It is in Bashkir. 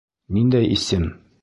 Ниндәй исем?